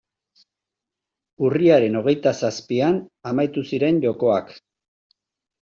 Urriaren hogeita zazpian amaitu ziren jokoak.